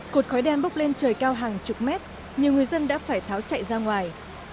cột khói đen bốc lên trời cao hàng chục mét nhiều người dân đã phải tháo chạy ra ngoài